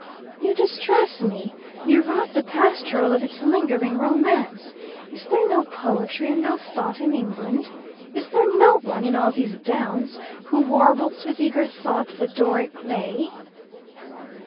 "You distress me. You rob the Pastoral of its lingering romance. Is there no poetry and no thought in England? Is there no one, in all these downs, who warbles with eager thought the Doric lay?"